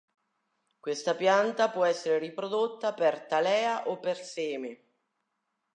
Questa pianta può essere riprodotta per talea o per seme.